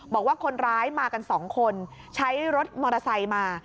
บอกว่าคนร้ายมากัน๒คนใช้รถมอเตอร์ไซค์มา